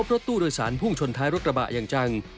รถตู้โดยสารพุ่งชนท้ายรถกระบะอย่างจัง